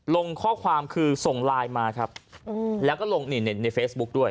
ลงข้อความคือส่งไลน์มาครับแล้วก็ลงนี่ในเฟซบุ๊คด้วย